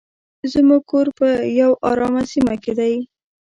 زموږ کور په یو ارامه سیمه کې دی.